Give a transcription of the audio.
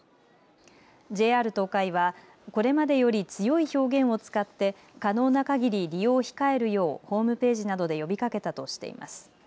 ＪＲ東海は、これまでより強い表現を使って可能なかぎり利用を控えるようホームページなどで呼びかけたとしています。